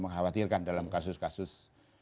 mengkhawatirkan dalam kasus kasus